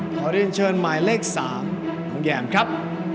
ขอเรียนเชิญหมายเลข๓ของแยมครับ